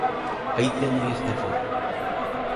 Aí teñen esta foto.